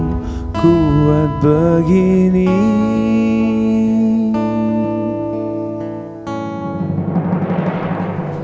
masih ingin mendengar suaramu